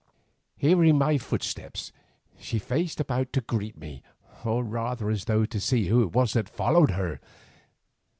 Hearing my footsteps, she faced about to greet me, or rather as though to see who it was that followed her.